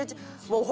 もう。